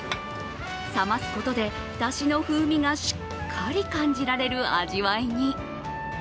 冷ますことで、だしの風味がしっかり感じられる味わいに。